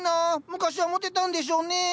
昔はもてたんでしょうね。